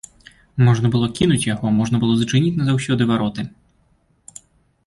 Можна было кінуць яго, можна было зачыніць назаўсёды вароты.